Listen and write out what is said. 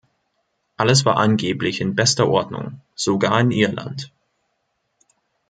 Alles war angeblich in bester Ordnung, sogar in Irland.